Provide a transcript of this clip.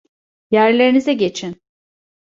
Yerlerinize geçin!